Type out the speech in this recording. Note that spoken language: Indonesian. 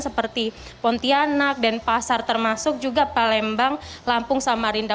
seperti pontianak dan pasar termasuk juga palembang lampung samarinda